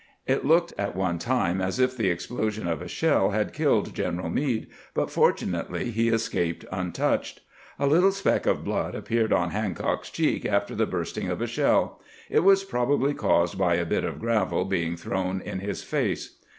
It looked at one time as if the explosion of a shell had killed General Meade, but fortunately he escaped untouched. A little speck of blood appeared on Hancock's cheek after the bursting of a shell. It was probably caused by a bit of gravel being thrown in his face.